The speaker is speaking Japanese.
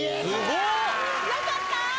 よかった！